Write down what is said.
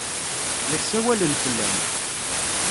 La ssawalen fell-am.